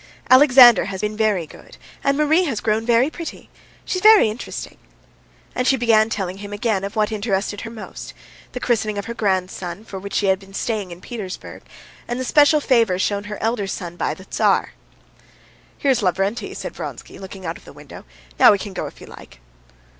Alexander has been very good, and Marie has grown very pretty. She's very interesting." And she began telling him again of what interested her most—the christening of her grandson, for which she had been staying in Petersburg, and the special favor shown her elder son by the Tsar. "Here's Lavrenty," said Vronsky, looking out of the window; "now we can go, if you like."